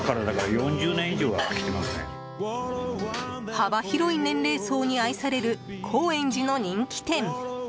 幅広い年齢層に愛される高円寺の人気店。